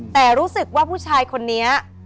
แต่รู้สึกว่าผู้ชายคนนี้